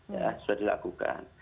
ya sudah dilakukan